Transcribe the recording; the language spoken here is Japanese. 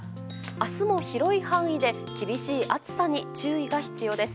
明日も広い範囲で厳しい暑さに注意が必要です。